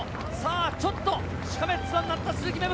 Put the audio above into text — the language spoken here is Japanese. ちょっとしかめっ面になった鈴木芽吹。